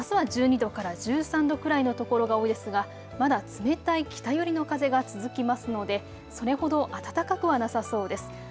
あすは１２度から１３度くらいの所が多いですがまだ冷たい北寄りの風が続きますのでそれほど暖かくはなさそうです。